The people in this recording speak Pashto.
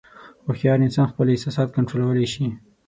هوښیار انسان خپل احساسات کنټرولولی شي.